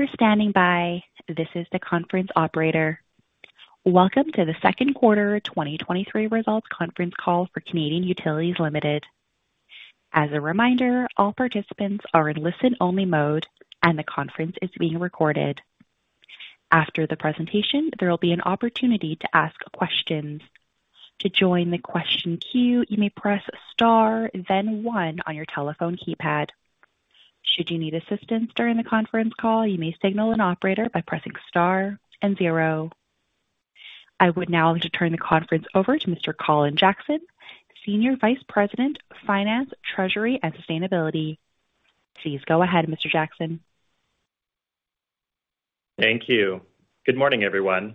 Thank you for standing by. This is the conference operator. Welcome to the second quarter 2023 results conference call for Canadian Utilities Limited. As a reminder, all participants are in listen-only mode, and the conference is being recorded. After the presentation, there will be an opportunity to ask questions. To join the question queue, you may press Star, then 1 on your telephone keypad. Should you need assistance during the conference call, you may signal an operator by pressing Star and 0. I would now like to turn the conference over to Mr. Colin Jackson, Senior Vice President, Finance, Treasury and Sustainability. Please go ahead, Mr. Jackson. Thank you. Good morning, everyone.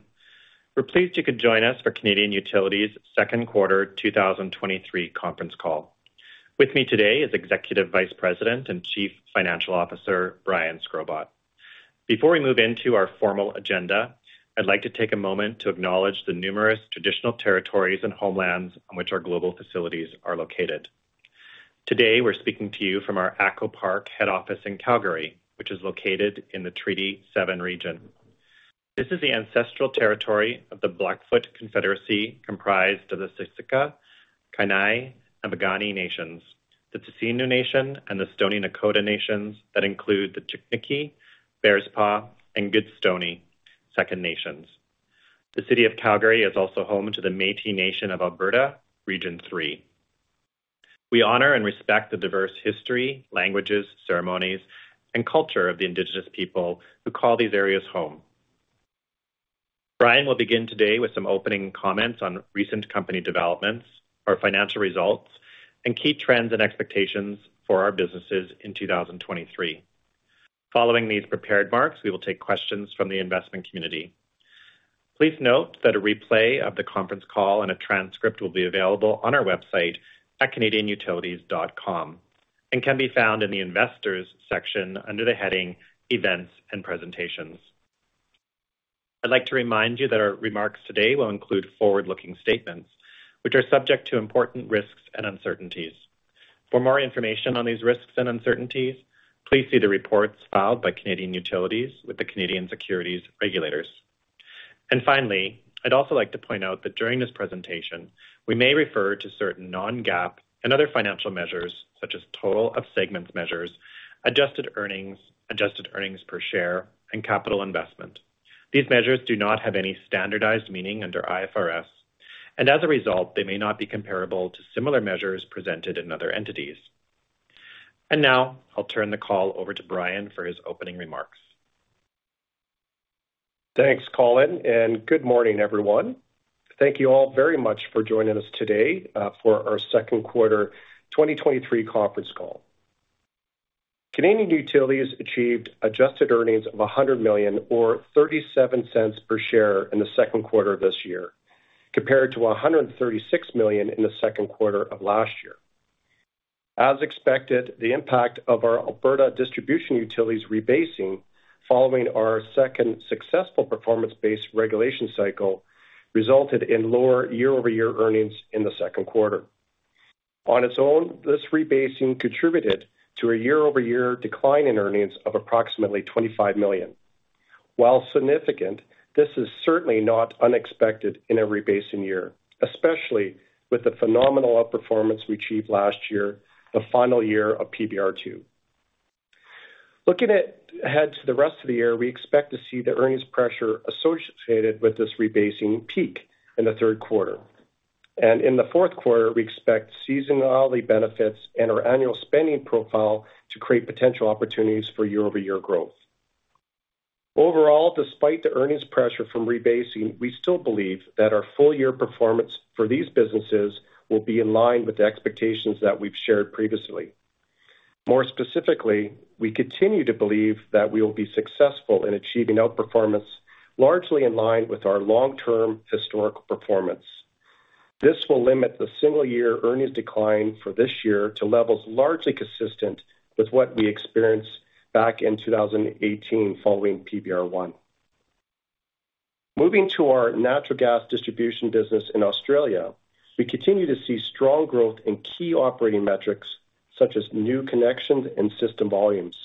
We're pleased you could join us for Canadian Utilities second quarter 2023 conference call. With me today is Executive Vice President and Chief Financial Officer Brian Shkrobot. Before we move into our formal agenda, I'd like to take a moment to acknowledge the numerous traditional territories and homelands on which our global facilities are located. Today, we're speaking to you from our ATCO Park head office in Calgary, which is located in the Treaty 7 region. This is the ancestral territory of the Blackfoot Confederacy, comprised of the Siksika, Kainai, and Piikani nations, the Tsuut'ina Nation, and the Stoney Nakoda nations that include the Chiniki, Bearspaw, and Goodstoney Second Nations. The city of Calgary is also home to the Métis Nation of Alberta, Region 3 We honor and respect the diverse history, languages, ceremonies, and culture of the indigenous people who call these areas home. Brian will begin today with some opening comments on recent company developments, our financial results, and key trends and expectations for our businesses in 2023. Following these prepared marks, we will take questions from the investment community. Please note that a replay of the conference call and a transcript will be available on our website at canadianutilities.com and can be found in the Investors section under the heading Events and Presentations. I'd like to remind you that our remarks today will include forward-looking statements, which are subject to important risks and uncertainties. For more information on these risks and uncertainties, please see the reports filed by Canadian Utilities with the Canadian Securities Regulators. Finally, I'd also like to point out that during this presentation, we may refer to certain non-GAAP and other financial measures, such as total of segments measures, adjusted earnings, adjusted earnings per share, and capital investment. These measures do not have any standardized meaning under IFRS, and as a result, they may not be comparable to similar measures presented in other entities. Now I'll turn the call over to Brian for his opening remarks. Thanks, Colin. Good morning, everyone. Thank you all very much for joining us today for our second quarter 2023 conference call. Canadian Utilities achieved adjusted earnings of 100 million or 0.37 per share in the second quarter of this year, compared to 136 million in the second quarter of last year. As expected, the impact of our Alberta distribution utilities rebasing following our second successful Performance-Based Regulation cycle, resulted in lower year-over-year earnings in the second quarter. On its own, this rebasing contributed to a year-over-year decline in earnings of approximately 25 million. While significant, this is certainly not unexpected in a rebasing year, especially with the phenomenal outperformance we achieved last year, the final year of PBR2. Looking ahead to the rest of the year, we expect to see the earnings pressure associated with this rebasing peak in the third quarter. In the fourth quarter, we expect seasonality benefits and our annual spending profile to create potential opportunities for year-over-year growth. Overall, despite the earnings pressure from rebasing, we still believe that our full-year performance for these businesses will be in line with the expectations that we've shared previously. More specifically, we continue to believe that we will be successful in achieving outperformance largely in line with our long-term historical performance. This will limit the single year earnings decline for this year to levels largely consistent with what we experienced back in 2018 following PBR1. Moving to our natural gas distribution business in Australia, we continue to see strong growth in key operating metrics, such as new connections and system volumes.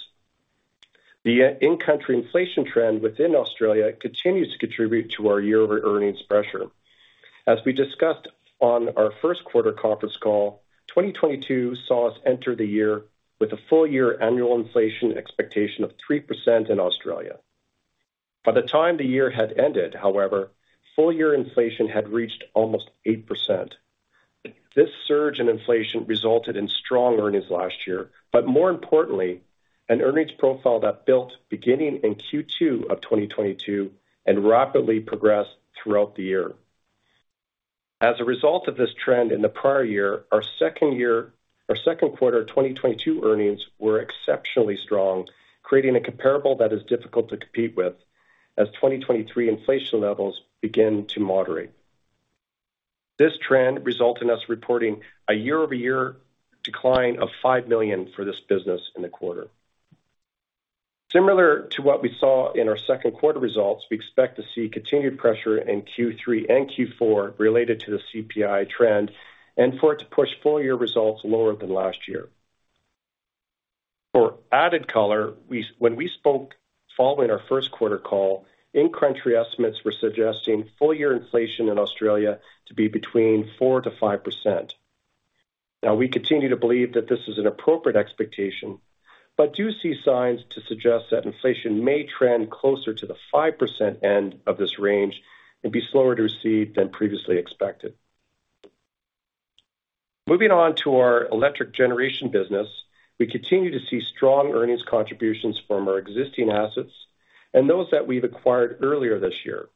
The in-country inflation trend within Australia continues to contribute to our year-over-year earnings pressure. We discussed on our first quarter conference call, 2022 saw us enter the year with a full year annual inflation expectation of 3% in Australia. By the time the year had ended, however, full-year inflation had reached almost 8%. This surge in inflation resulted in strong earnings last year, more importantly, an earnings profile that built beginning in Q2 of 2022 and rapidly progressed throughout the year. A result of this trend in the prior year, our second quarter 2022 earnings were exceptionally strong, creating a comparable that is difficult to compete with as 2023 inflation levels begin to moderate. This trend resulted in us reporting a year-over-year decline of 5 million for this business in the quarter. Similar to what we saw in our second quarter results, we expect to see continued pressure in Q3 and Q4 related to the CPI trend and for it to push full-year results lower than last year. For added color, we, when we spoke following our first quarter call, in-country estimates were suggesting full year inflation in Australia to be between 4%-5%. We continue to believe that this is an appropriate expectation, but do see signs to suggest that inflation may trend closer to the 5% end of this range and be slower to recede than previously expected. Moving on to our electric generation business, we continue to see strong earnings contributions from our existing assets and those that we've acquired earlier this year.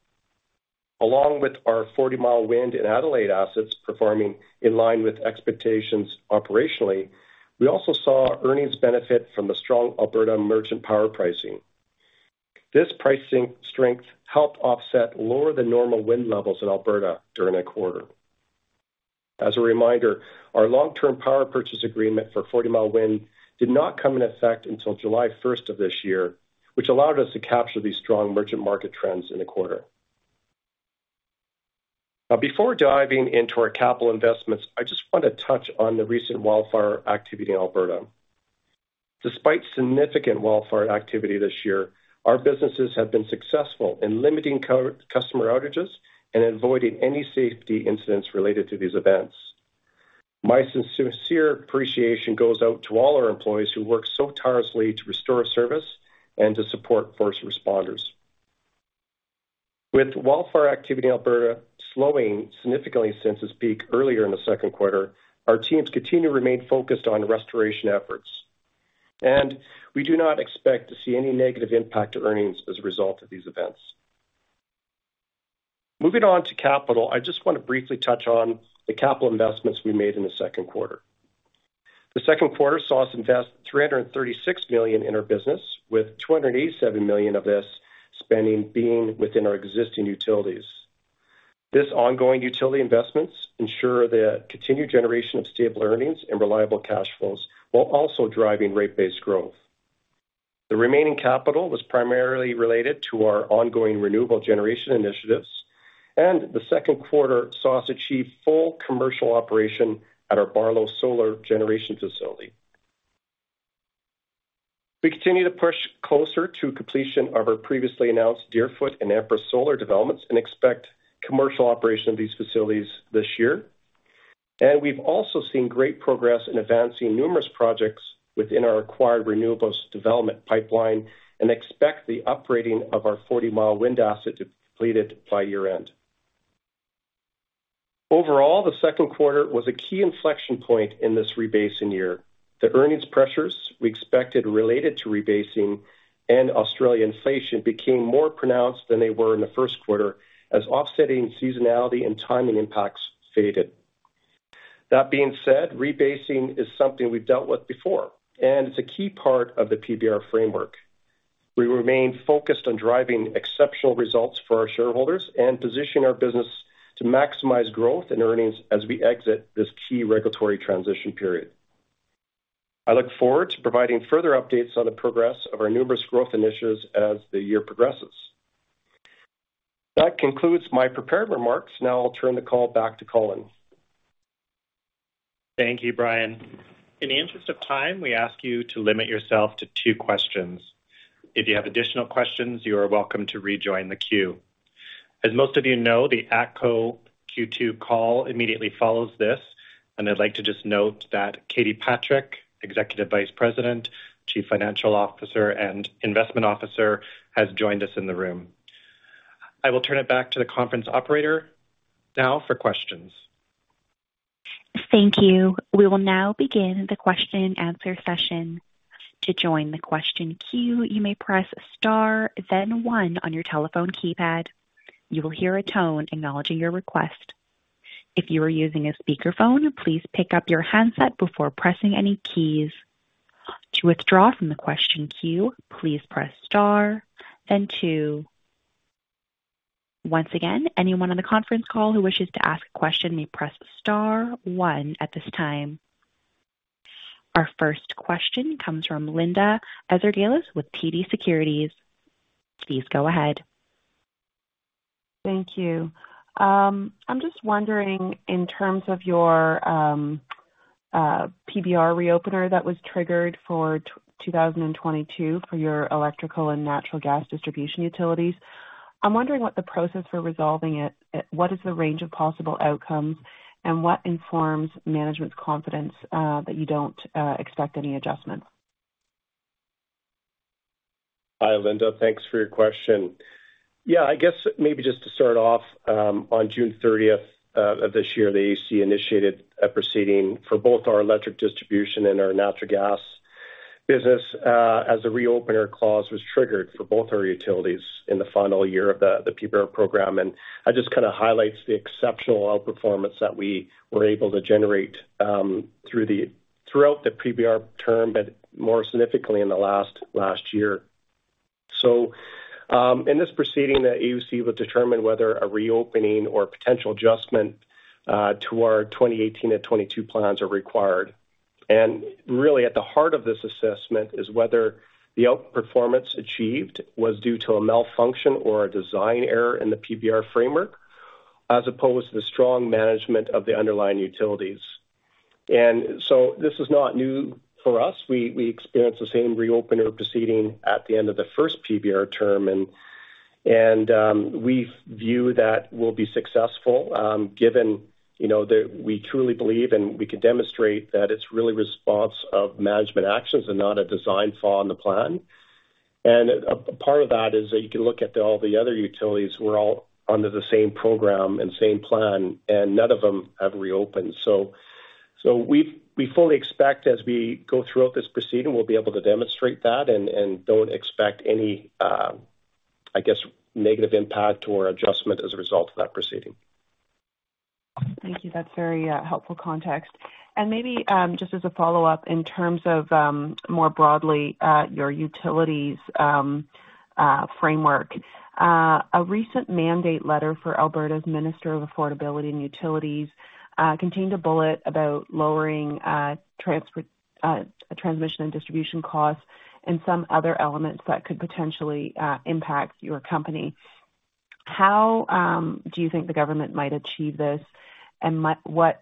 Along with our Forty Mile Wind and Adelaide assets performing in line with expectations operationally, we also saw earnings benefit from the strong Alberta merchant power pricing. This pricing strength helped offset lower than normal wind levels in Alberta during the quarter. As a reminder, our long-term power purchase agreement for Forty Mile Wind did not come in effect until July first of this year, which allowed us to capture these strong merchant market trends in the quarter. Before diving into our capital investments, I just want to touch on the recent wildfire activity in Alberta. Despite significant wildfire activity this year, our businesses have been successful in limiting customer outages and avoiding any safety incidents related to these events. My sincere appreciation goes out to all our employees who work so tirelessly to restore service and to support first responders. With wildfire activity in Alberta slowing significantly since its peak earlier in the second quarter, our teams continue to remain focused on restoration efforts. We do not expect to see any negative impact to earnings as a result of these events. Moving on to capital, I just want to briefly touch on the capital investments we made in the second quarter. The second quarter saw us invest 336 million in our business, with 287 million of this spending being within our existing utilities. This ongoing utility investments ensure the continued generation of stable earnings and reliable cash flows, while also driving rate-based growth. The remaining capital was primarily related to our ongoing renewable generation initiatives. The second quarter saw us achieve full commercial operation at our Barlow Solar Generation facility. We continue to push closer to completion of our previously announced Deerfoot and Empress Solar developments and expect commercial operation of these facilities this year. We've also seen great progress in advancing numerous projects within our acquired renewables development pipeline and expect the uprating of our Forty Mile Wind asset to be completed by year-end. Overall, the second quarter was a key inflection point in this rebasing year. The earnings pressures we expected related to rebasing and Australia inflation became more pronounced than they were in the first quarter, as offsetting seasonality and timing impacts faded. That being said, rebasing is something we've dealt with before, and it's a key part of the PBR framework. We remain focused on driving exceptional results for our shareholders and positioning our business to maximize growth and earnings as we exit this key regulatory transition period. I look forward to providing further updates on the progress of our numerous growth initiatives as the year progresses. That concludes my prepared remarks. Now I'll turn the call back to Colin. Thank you, Brian. In the interest of time, we ask you to limit yourself to two questions. If you have additional questions, you are welcome to rejoin the queue. As most of you know, the ATCO Q2 call immediately follows this, and I'd like to just note that Katie Patrick, Executive Vice President, Chief Financial Officer, and Investment Officer, has joined us in the room. I will turn it back to the conference operator now for questions. Thank you. We will now begin the question and answer session. To join the question queue, you may press Star, then 1 on your telephone keypad. You will hear a tone acknowledging your request. If you are using a speakerphone, please pick up your handset before pressing any keys. To withdraw from the question queue, please press Star, then 2. Once again, anyone on the conference call who wishes to ask a question may press Star 1 at this time. Our first question comes from Linda Ezergailis with TD Securities. Please go ahead. Thank you. I'm just wondering, in terms of your PBR reopener that was triggered for 2022 for your electrical and natural gas distribution utilities, what is the process for resolving it, what is the range of possible outcomes, and what informs management's confidence that you don't expect any adjustments? Hi, Linda, thanks for your question. I guess maybe just to start off, on June 30th of this year, the AUC initiated a proceeding for both our electric distribution and our natural gas business, as a reopener clause was triggered for both our utilities in the final year of the PBR program. That just kind of highlights the exceptional outperformance that we were able to generate throughout the PBR term, but more significantly in the last year. In this proceeding, the AUC will determine whether a reopening or potential adjustment to our 2018 and 2022 plans are required. Really, at the heart of this assessment is whether the outperformance achieved was due to a malfunction or a design error in the PBR framework as opposed to the strong management of the underlying utilities. This is not new for us. We experienced the same reopener proceeding at the end of the first PBR term, and we view that we'll be successful, given, you know, that we truly believe, and we can demonstrate that it's really response of management actions and not a design flaw in the plan. A part of that is that you can look at all the other utilities who are all under the same program and same plan, and none of them have reopened. We fully expect as we go throughout this proceeding, we'll be able to demonstrate that and don't expect any, I guess, negative impact or adjustment as a result of that proceeding. Thank you. That's very helpful context. Maybe, just as a follow-up, in terms of, more broadly, your utilities, framework. A recent mandate letter for Alberta's Minister of Affordability and Utilities contained a bullet about lowering transmission and distribution costs and some other elements that could potentially impact your company. How do you think the government might achieve this? What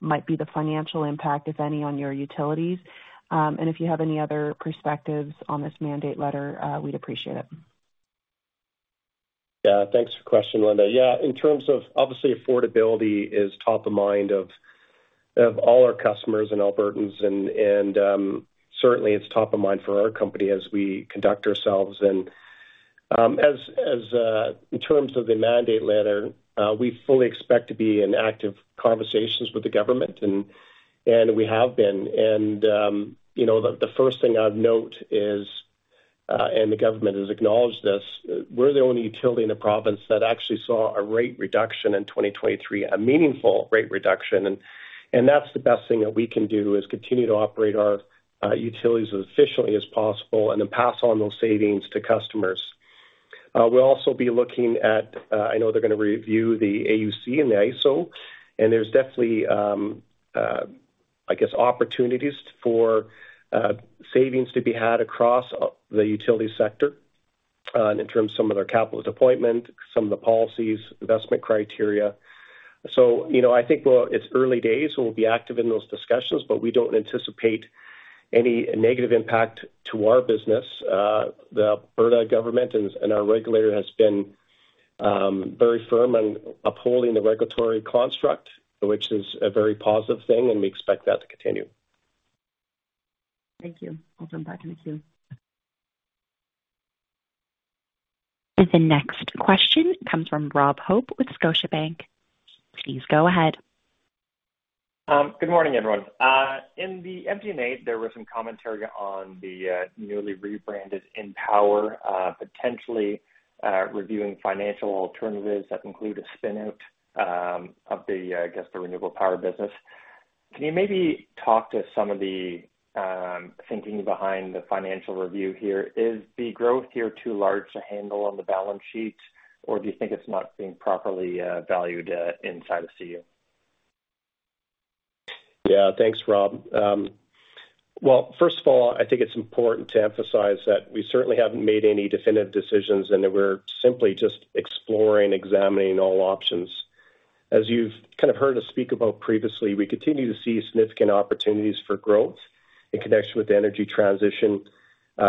might be the financial impact, if any, on your utilities? If you have any other perspectives on this mandate letter, we'd appreciate it. Yeah, thanks for the question, Linda. Yeah, in terms of obviously affordability is top of mind of all our customers and Albertans and, certainly it's top of mind for our company as we conduct ourselves. As in terms of the mandate letter, we fully expect to be in active conversations with the government, and we have been. you know, the first thing I'd note is, and the government has acknowledged this, we're the only utility in the province that actually saw a rate reduction in 2023, a meaningful rate reduction. That's the best thing that we can do, is continue to operate our utilities as efficiently as possible and then pass on those savings to customers. We'll also be looking at, I know they're going to review the AUC and the. There's definitely, I guess, opportunities for savings to be had across the utility sector, in terms of some of their capital deployment, some of the policies, investment criteria. You know, I think, well, it's early days, and we'll be active in those discussions, but we don't anticipate any negative impact to our business. The Alberta government and our regulator has been very firm in upholding the regulatory construct, which is a very positive thing, and we expect that to continue. Thank you. I'll come back to the queue. The next question comes from Rob Hope with Scotiabank. Please go ahead. Good morning, everyone. In the MD&A, there was some commentary on the newly rebranded EnPower, potentially reviewing financial alternatives that include a spin-out of the renewable power business. Can you maybe talk to some of the thinking behind the financial review here? Is the growth here too large to handle on the balance sheet, or do you think it's not being properly valued inside of CU? Yeah. Thanks, Rob. Well, first of all, I think it's important to emphasize that we certainly haven't made any definitive decisions and that we're simply just exploring, examining all options. As you've kind of heard us speak about previously, we continue to see significant opportunities for growth in connection with the energy transition,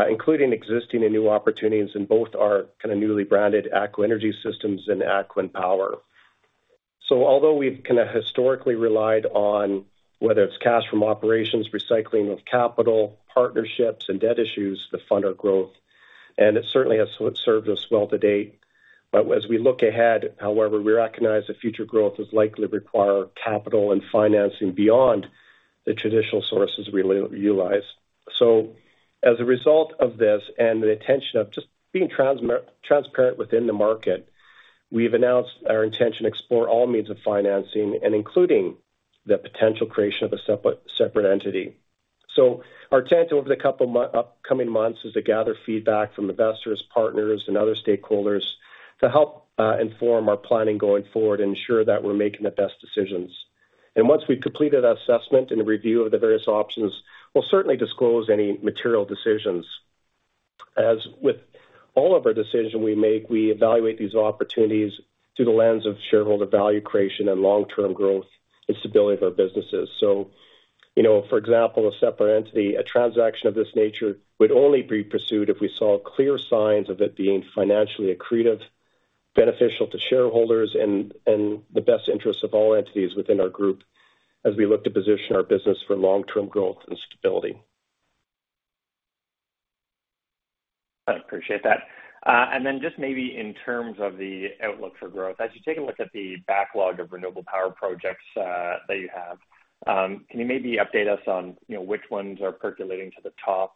including existing and new opportunities in both our kind of newly branded ATCO Energy Systems and ATCO Power. Although we've kind of historically relied on whether it's cash from operations, recycling of capital, partnerships and debt issues to fund our growth, and it certainly has served us well to date. As we look ahead, however, we recognize that future growth is likely to require capital and financing beyond the traditional sources we utilize. As a result of this and the intention of just being transparent within the market, we've announced our intention to explore all means of financing and including the potential creation of a separate entity. Our intent over the couple of upcoming months is to gather feedback from investors, partners and other stakeholders to help inform our planning going forward and ensure that we're making the best decisions. Once we've completed that assessment and a review of the various options, we'll certainly disclose any material decisions. As with all of our decisions we make, we evaluate these opportunities through the lens of shareholder value creation and long-term growth and stability of our businesses. You know, for example, a separate entity, a transaction of this nature would only be pursued if we saw clear signs of it being financially accretive, beneficial to shareholders and the best interests of all entities within our group as we look to position our business for long-term growth and stability. I appreciate that. Just maybe in terms of the outlook for growth, as you take a look at the backlog of renewable power projects that you have, can you maybe update us on, you know, which ones are percolating to the top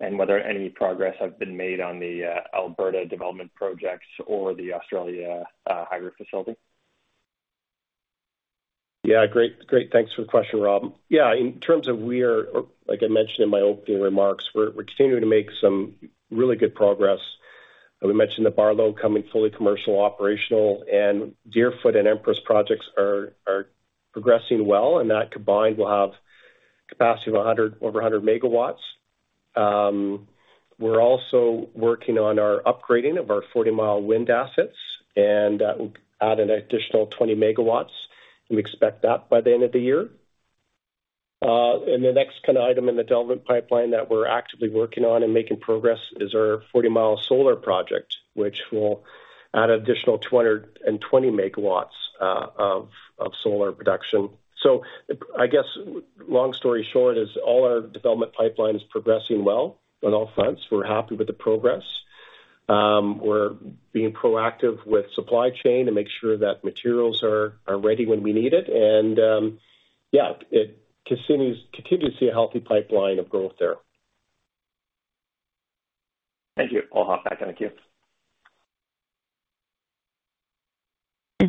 and whether any progress has been made on the Alberta development projects or the Australia hydro facility? Great. Thanks for the question, Rob. Yeah, in terms of where, like I mentioned in my opening remarks, we're continuing to make some really good progress. We mentioned the Barlow coming fully commercial, operational, and Deerfoot and Empress projects are progressing well, and that combined will have capacity of over 100 megawatts. We're also working on our upgrading of our Forty Mile Wind assets, and that will add an additional 20 megawatts. We expect that by the end of the year. The next kind of item in the development pipeline that we're actively working on and making progress is our Forty Mile Solar project, which will add an additional 220 megawatts of solar production. I guess long story short is all our development pipeline is progressing well on all fronts. We're happy with the progress. We're being proactive with supply chain to make sure that materials are ready when we need it. Yeah, it continues, continue to see a healthy pipeline of growth there. Thank you. I'll hop back in. Thank you.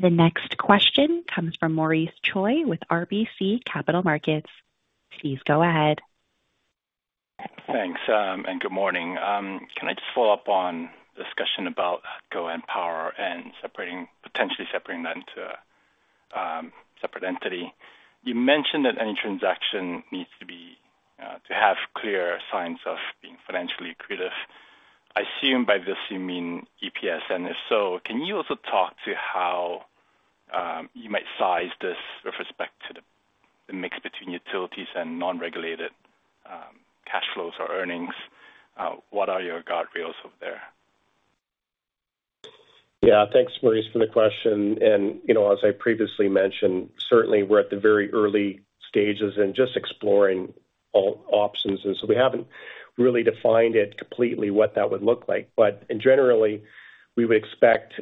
The next question comes from Maurice Choy with RBC Capital Markets. Please go ahead. Thanks, and good morning. Can I just follow up on discussion about ATCO EnPower and potentially separating that into a separate entity? You mentioned that any transaction needs to be to have clear signs of being financially accretive. I assume by this you mean EPS, and if so, can you also talk to how you might size this with respect to the mix between utilities and non-regulated cash flows or earnings? What are your guardrails out there? Yeah, thanks, Maurice, for the question. You know, as I previously mentioned, certainly we're at the very early stages and just exploring all options, and so we haven't really defined it completely, what that would look like. Generally, we would expect,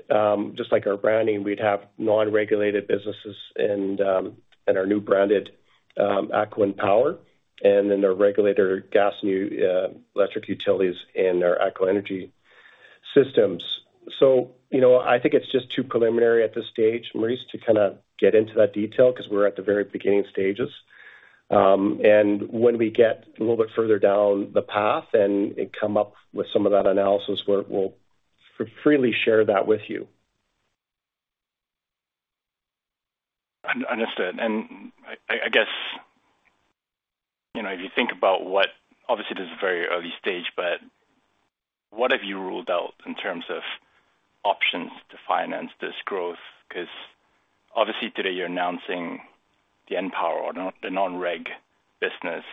just like our branding, we'd have non-regulated businesses and our new branded ATCO EnPower, and then our regulated gas, electric utilities, and our ATCO Energy Systems. You know, I think it's just too preliminary at this stage, Maurice, to kind of get into that detail, because we're at the very beginning stages. When we get a little bit further down the path and come up with some of that analysis, we'll freely share that with you. Understood. I guess, you know. Obviously, this is a very early stage, but what have you ruled out in terms of options to finance this growth? Obviously today you're announcing the EnPower, or the non-reg business,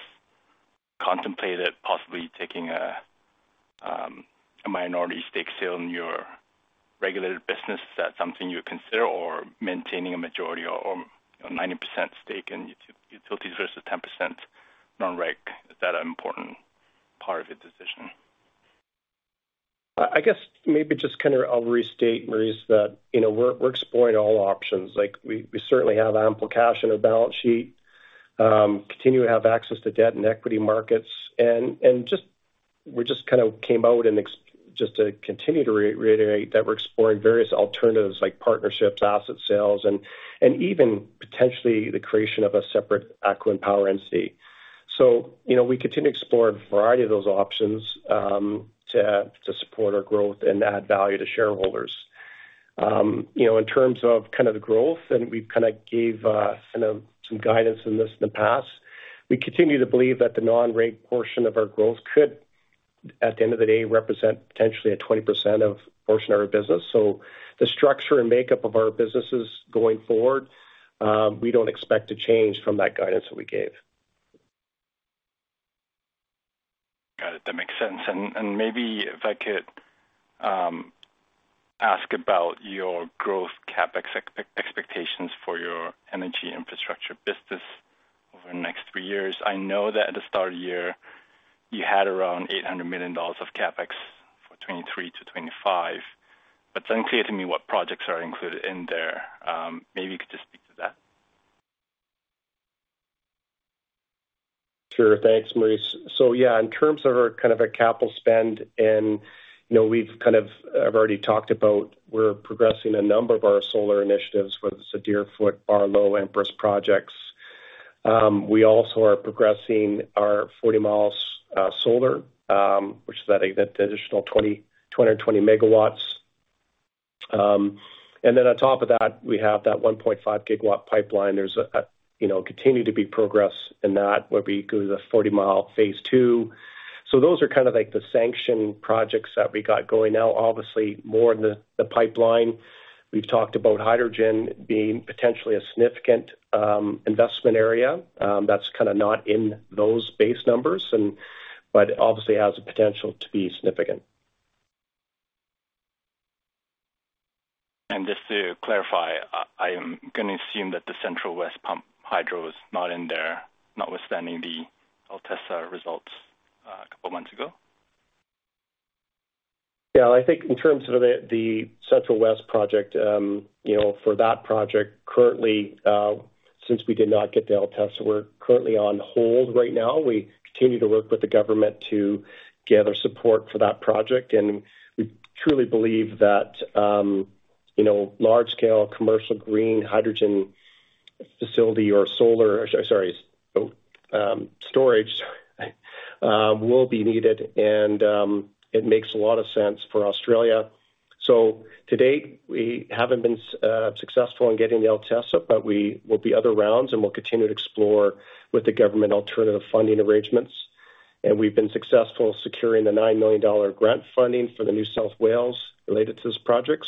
contemplated, possibly taking a minority stake sale in your regulated business. Is that something you would consider or maintaining a majority or 90% stake in utilities versus 10% non-reg? Is that an important part of your decision? I guess maybe just kind of I'll restate, Maurice, that, you know, we're exploring all options. Like, we certainly have ample cash on our balance sheet, continue to have access to debt and equity markets, and just, we just kind of came out and just to continue to reiterate that we're exploring various alternatives like partnerships, asset sales, and even potentially the creation of a separate ATCO EnPower entity. You know, we continue to explore a variety of those options, to support our growth and add value to shareholders. You know, in terms of kind of the growth, and we've kind of gave, kind of some guidance in this in the past, we continue to believe that the non-rate portion of our growth could, at the end of the day, represent potentially a 20% of portion of our business. The structure and makeup of our businesses going forward, we don't expect to change from that guidance that we gave. Got it. That makes sense. maybe if I could ask about your growth CapEx expectations for your energy infrastructure business over the next three years. I know that at the start of the year, you had around $800 million of CapEx for 2023-2025, but it's unclear to me what projects are included in there. maybe you could just speak to that. Thanks, Maurice. Yeah, in terms of our capital spend, you know, we've already talked about, we're progressing a number of our solar initiatives, whether it's the Deerfoot, Barlow, Empress projects. We also are progressing our Forty Mile Solar, which is the additional 220 megawatts. On top of that, we have that 1.5 gigawatt pipeline. There's a, you know, continue to be progress in that, where we go to the Forty Mile Phase 2. Those are kind of like the sanction projects that we got going now, obviously, more in the pipeline. We've talked about hydrogen being potentially a significant investment area. That's kind of not in those base numbers but obviously has the potential to be significant. Just to clarify, I'm gonna assume that the Central West Pump Hydro is not in there, notwithstanding the LTESA results, a couple months ago? Yeah, I think in terms of the Central West project, you know, for that project, currently, since we did not get the LTESA, we're currently on hold right now. We continue to work with the government to gather support for that project. We truly believe that, you know, large-scale commercial green hydrogen facility or storage will be needed, and it makes a lot of sense for Australia. To date, we haven't been successful in getting the LTESA. We will be other rounds, and we'll continue to explore with the government alternative funding arrangements. We've been successful securing the 9 million dollar grant funding for the New South Wales related to this project.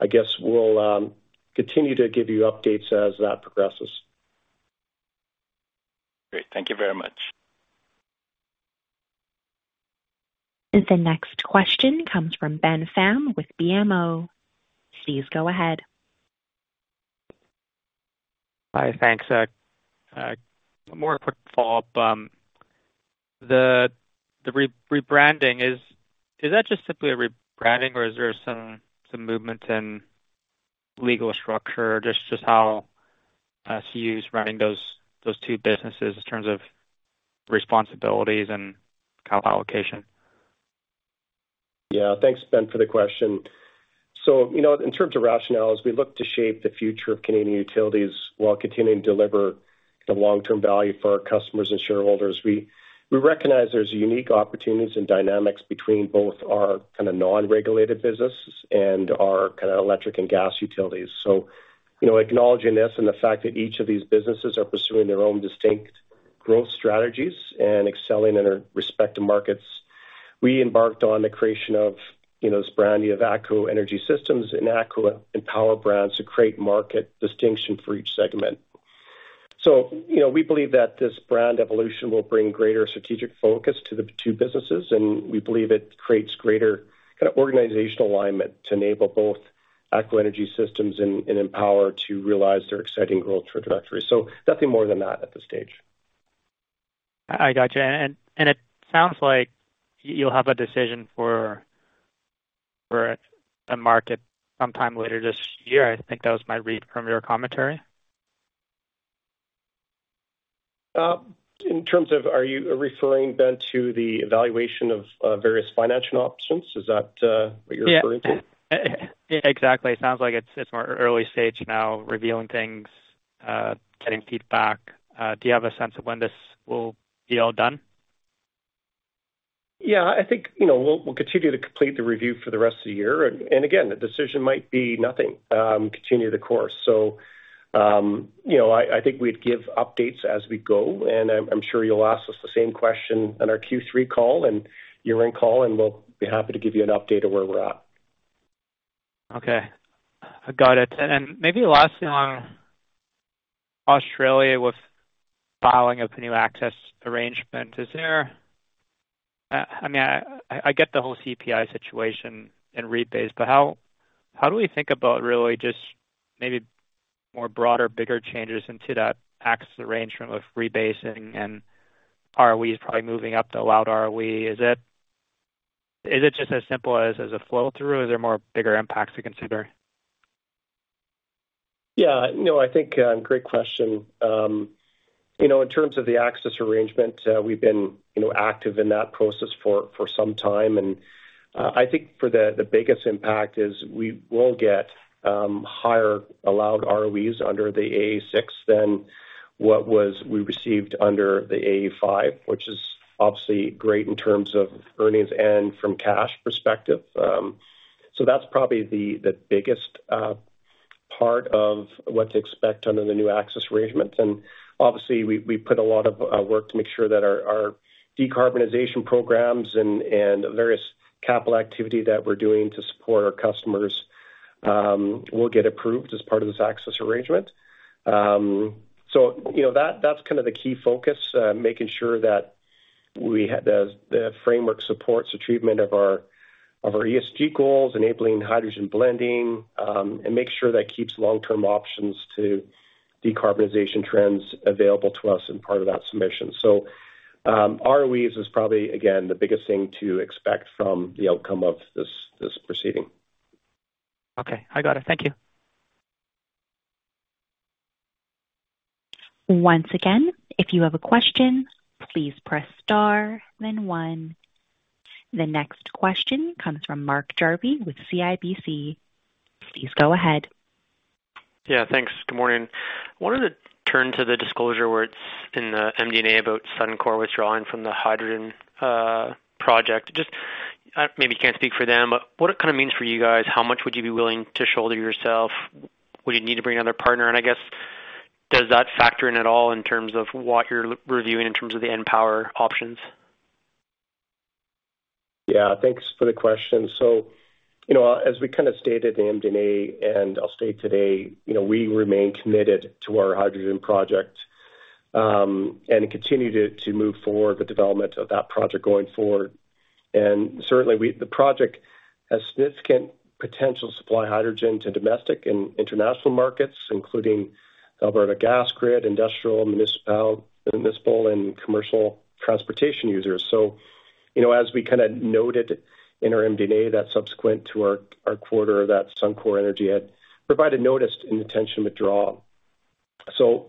I guess we'll continue to give you updates as that progresses. Great. Thank you very much. The next question comes from Ben Pham with BMO. Please go ahead. Hi, thanks. One more quick follow-up. The rebranding is that just simply a rebranding, or is there some movement in legal structure, just how as he is running those two businesses in terms of responsibilities and capital allocation? Yeah, thanks, Ben, for the question. You know, in terms of rationales, we look to shape the future of Canadian Utilities while continuing to deliver the long-term value for our customers and shareholders. We recognize there's unique opportunities and dynamics between both our kind of non-regulated businesses and our kind of electric and gas utilities. You know, acknowledging this and the fact that each of these businesses are pursuing their own distinct growth strategies and excelling in their respective markets, we embarked on the creation of, you know, this branding of ATCO Energy Systems and ATCO EnPower Brands to create market distinction for each segment. You know, we believe that this brand evolution will bring greater strategic focus to the two businesses, and we believe it creates greater kind of organizational alignment to enable both ATCO Energy Systems and ATCO EnPower to realize their exciting growth trajectory. Nothing more than that at this stage. I got you. It sounds like you'll have a decision for a market sometime later this year. I think that was my read from your commentary. Are you referring then to the evaluation of various financial options? Is that what you're referring to? Yeah. Exactly. It sounds like it's, it's more early stage now, reviewing things, getting feedback. Do you have a sense of when this will be all done? Yeah, I think, you know, we'll continue to complete the review for the rest of the year. Again, the decision might be nothing, continue the course. You know, I think we'd give updates as we go, and I'm sure you'll ask us the same question on our Q3 call and year-end call, and we'll be happy to give you an update of where we're at. Okay, I got it. Maybe last thing on Australia with filing of the new access arrangement. Is there, I mean, I, I get the whole CPI situation and rebase, but how do we think about really just maybe more broader, bigger changes into that access arrangement with rebasing and ROEs probably moving up the allowed ROE? Is it just as simple as a flow-through, or are there more bigger impacts to consider? Yeah, no, I think, great question. You know, in terms of the access arrangement, we've been, you know, active in that process for some time. I think for the biggest impact is we will get higher allowed ROEs under the AE6 than what was we received under the AE5, which is obviously great in terms of earnings and from cash perspective. So that's probably the biggest part of what to expect under the new access arrangements. Obviously, we put a lot of work to make sure that our decarbonization programs and various capital activity that we're doing to support our customers, will get approved as part of this access arrangement. you know, that's kind of the key focus, making sure that we have the framework supports the treatment of our ESG goals, enabling hydrogen blending, and make sure that keeps long-term options to decarbonization trends available to us in part of that submission. ROEs is probably, again, the biggest thing to expect from the outcome of this proceeding. Okay, I got it. Thank you. Once again, if you have a question, please press Star then 1. The next question comes from Mark Jarvi with CIBC. Please go ahead. Yeah, thanks. Good morning. I wanted to turn to the disclosure where it's in the MD&A about Suncor withdrawing from the hydrogen project. Just, maybe you can't speak for them, but what it kind of means for you guys, how much would you be willing to shoulder yourself? Would you need to bring another partner? I guess, does that factor in at all in terms of what you're reviewing in terms of the EnPower options? Yeah, thanks for the question. You know, as we kind of stated in MD&A, and I'll state today, you know, we remain committed to our hydrogen project, and continue to move forward the development of that project going forward. Certainly the project has significant potential to supply hydrogen to domestic and international markets, including Alberta gas grid, industrial, municipal, and commercial transportation users. You know, as we kind of noted in our MD&A, that subsequent to our, our quarter, that Suncor Energy had provided notice and intention to withdraw.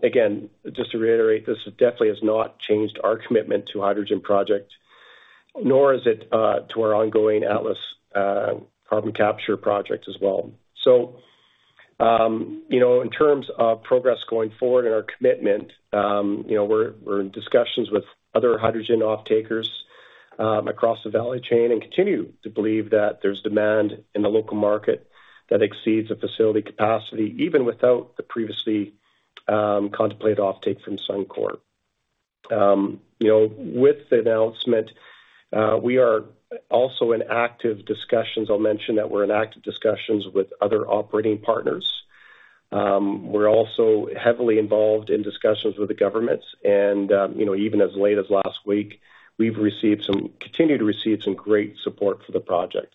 Again, just to reiterate, this definitely has not changed our commitment to hydrogen project, nor is it to our ongoing Atlas carbon capture project as well. You know, in terms of progress going forward and our commitment, you know, we're in discussions with other hydrogen offtakers across the value chain and continue to believe that there's demand in the local market that exceeds the facility capacity, even without the previously contemplated offtake from Suncor. You know, with the announcement, we are also in active discussions. I'll mention that we're in active discussions with other operating partners. We're also heavily involved in discussions with the governments and, you know, even as late as last week, we've continued to receive some great support for the project.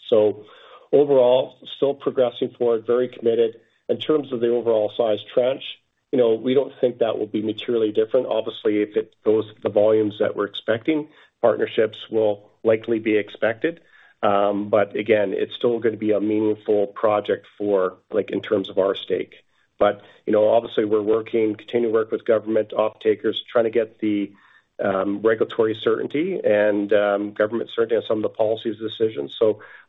Overall, still progressing forward, very committed. In terms of the overall size trench, you know, we don't think that will be materially different. Obviously, if it goes the volumes that we're expecting, partnerships will likely be expected. Again, it's still going to be a meaningful project for, like, in terms of our stake. You know, obviously, we're working, continue to work with government offtakers, trying to get the regulatory certainty and government certainty on some of the policies decisions.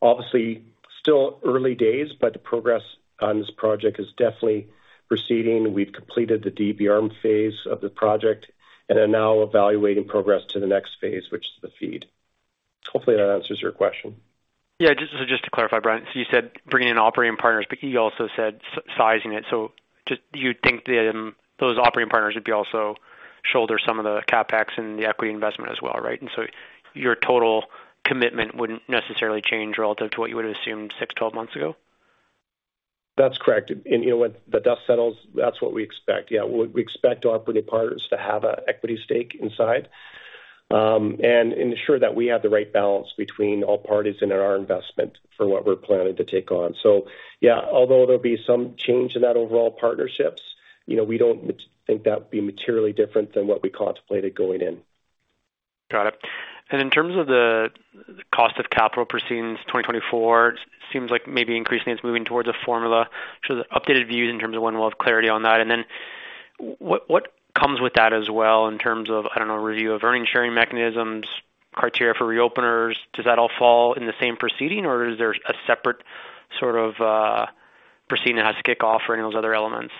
Obviously still early days, but the progress on this project is definitely proceeding. We've completed the DBM phase of the project and are now evaluating progress to the next phase, which is the FEED. Hopefully, that answers your question. Yeah. Just to clarify, Brian, you said bringing in operating partners, but you also said sizing it. Just you think that those operating partners would be also shoulder some of the CapEx and the equity investment as well, right? Your total commitment wouldn't necessarily change relative to what you would have assumed 6, 12 months ago? That's correct. You know, when the dust settles, that's what we expect. Yeah, we expect our operating partners to have an equity stake inside, and ensure that we have the right balance between all parties and in our investment for what we're planning to take on. Yeah, although there'll be some change in that overall partnerships, you know, we don't think that would be materially different than what we contemplated going in. Got it. In terms of the cost of capital proceedings, 2024 seems like maybe increasingly it's moving towards a formula. The updated views in terms of when we'll have clarity on that, and then what, what comes with that as well, in terms of, I don't know, review of earnings sharing mechanisms, criteria for reopeners, does that all fall in the same proceeding, or is there a separate sort of, proceeding that has to kick off for any of those other elements?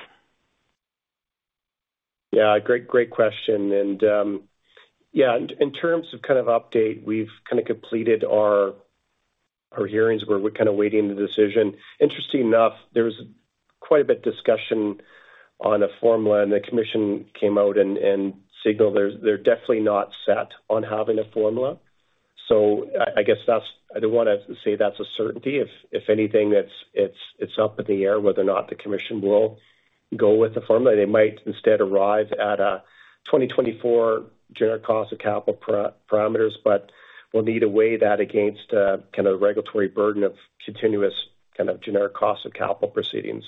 Yeah, great question. Yeah, in terms of kind of update, we've kind of completed our hearings. We're kind of waiting the decision. Interestingly enough, there was quite a bit of discussion on a formula, and the Commission came out and signaled they're definitely not set on having a formula. I guess that's... I don't want to say that's a certainty. If anything, that's, it's, it's up in the air, whether or not the Commission will go with the formula. They might instead arrive at a 2024 Generic Cost of Capital parameters, but we'll need to weigh that against kind of regulatory burden of continuous kind of Generic Cost of Capital proceedings.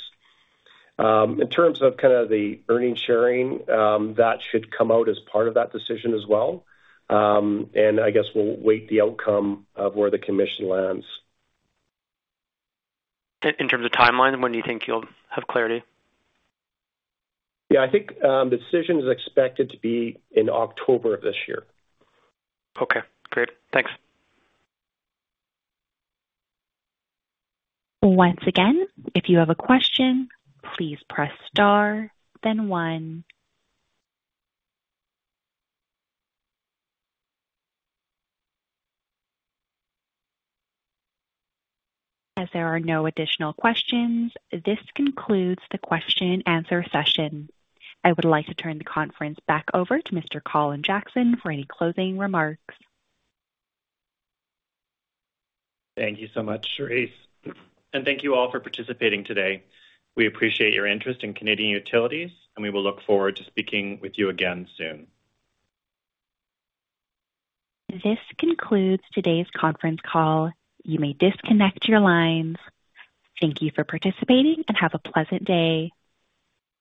In terms of kind of the earnings sharing, that should come out as part of that decision as well. I guess we'll wait the outcome of where the commission lands. In terms of timeline, when do you think you'll have clarity? I think, the decision is expected to be in October of this year. Okay, great. Thanks. Once again, if you have a question, please press Star, then one. As there are no additional questions, this concludes the question and answer session. I would like to turn the conference back over to Mr. Colin Jackson for any closing remarks. Thank you so much, Charisse. Thank you all for participating today. We appreciate your interest in Canadian Utilities. We will look forward to speaking with you again soon. This concludes today's conference call. You may disconnect your lines. Thank you for participating and have a pleasant day.